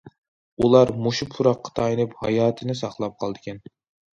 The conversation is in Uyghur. ئۇلار مۇشۇ پۇراققا تايىنىپ ھاياتىنى ساقلاپ قالىدىكەن.